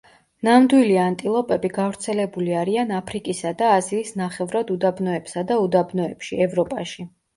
ნამდვილი ანტილოპები გავრცელებული არიან აფრიკისა და აზიის ნახევრად უდაბნოებსა და უდაბნოებში, ევროპაში.